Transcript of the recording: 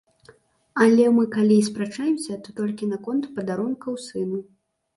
Але мы калі і спрачаемся, то толькі наконт падарункаў сыну.